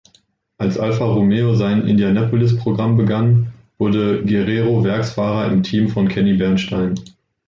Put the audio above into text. Als Alfa Romeo sein Indianapolis-Programm begann, wurde Guerrero Werksfahrer im Team von "Kenny Bernstein".